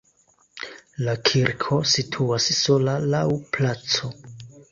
La kirko situas sola laŭ placo.